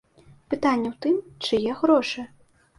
Пытанне ў тым, чые грошы.